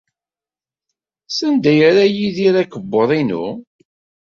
Sanda ay yerra Yidir akebbuḍ-inu?